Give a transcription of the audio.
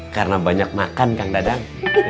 karena banyak makan kang dadang